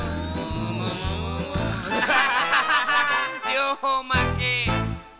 「りょうほうまけ！」。